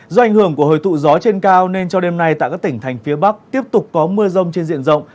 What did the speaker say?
do ảnh hưởng của hồi tụ gió trên cao nên cho đêm nay tại các tỉnh thành phía bắc tiếp tục có mưa rông trên diện rộng